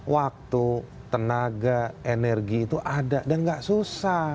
waktu tenaga energi itu ada dan gak susah